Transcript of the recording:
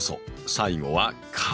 最後は「風」。